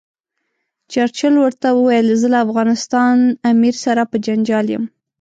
چرچل ورته وویل زه له افغانستان امیر سره په جنجال یم.